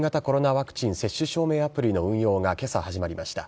ワクチン接種証明アプリの運用がけさ始まりました。